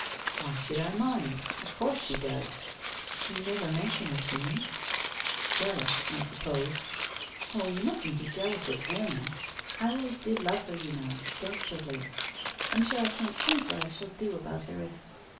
' Why should I mind ? Of course she does/ ' You never mention her to me/ 1 Jealous, I suppose ?'' Oh, you mustn't be jealous about Erinna. I always did love her, you know. Desperately. I'm sure I can't think what I shall do about her, if